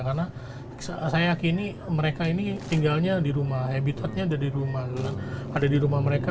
karena saya yakin mereka ini tinggalnya di rumah habitatnya ada di rumah mereka